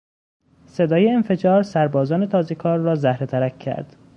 صدای انفجار سربازان تازهکار را زهره ترک کرد.